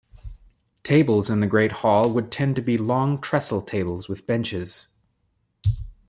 Tables in the great hall would tend to be long trestle tables with benches.